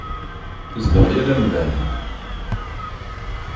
Tzedɣeḍ yal amdan.